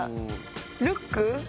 ルック。